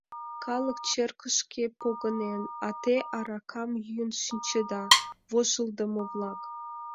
Калык черкышке погынен, а те аракам йӱын шинчеда... вожылдымо-влак!